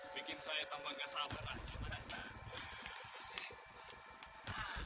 bikin saya tambah gak sabar aja